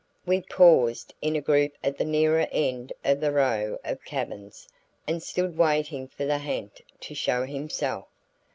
We paused in a group at the nearer end of the row of cabins and stood waiting for the ha'nt to show himself.